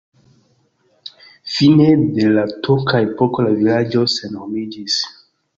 Fine de la turka epoko la vilaĝo senhomiĝis.